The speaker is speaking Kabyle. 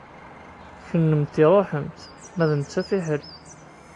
Kennemti ṛuḥemt ma d netta fiḥel.